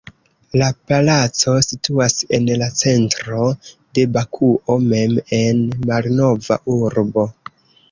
La palaco situas en la centro de Bakuo mem en Malnova urbo.